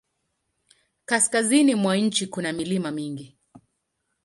Kaskazini mwa nchi kuna milima mingi.